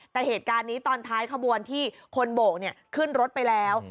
แต่เหตุการณ์นี้ตอนท้ายขบวนที่คนโบกขึ้นรถไปแล้ว